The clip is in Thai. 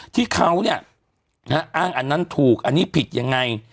ที่เขาเนี่ยอ้างอันนั้นถูกอันนี้ผิดยังไง